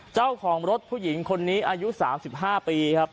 เจ้าของรถผู้หญิงคนนี้อายุ๓๕ปีครับ